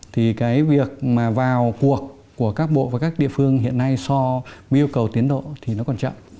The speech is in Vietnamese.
thì cái việc mà vào cuộc của các bộ và các địa phương hiện nay so với yêu cầu tiến độ thì nó còn chậm